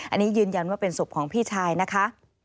อันนี้ยืนยันว่าเป็นศพของพี่ชายนะคะ